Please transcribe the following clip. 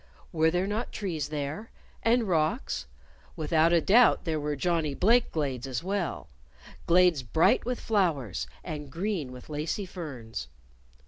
Were there not trees there? and rocks? Without doubt there were Johnnie Blake glades as well glades bright with flowers, and green with lacy ferns.